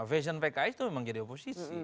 fashion pks itu memang jadi oposisi